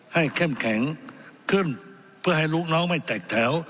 เข้มแข็งขึ้นเพื่อให้ลูกน้องไม่แตกแถว